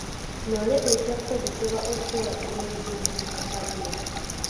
Lole ejja kukozesebwa okukola eby'obusuubuzi mu Arua